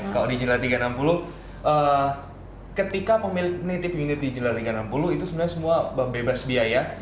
kalau di jalan tiga ratus enam puluh ketika pemilik nitive unit di jalan tiga ratus enam puluh itu sebenarnya semua bebas biaya